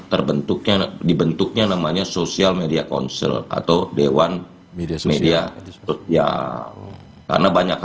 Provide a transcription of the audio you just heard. terbentuknya dibentuknya namanya social media council atau dewan media ya karena banyak